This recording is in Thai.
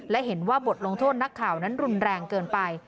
และเห็นว่าบทลงโทษนักข่าวนั้นรุนแรงเกินไป